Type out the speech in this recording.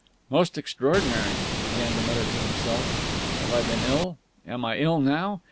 "Most extraordinary!" he began to mutter to himself. "Have I been ill? Am I ill now?